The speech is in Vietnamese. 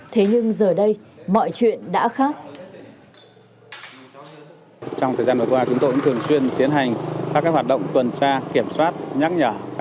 thế nhưng giờ đây mọi chuyện đã khác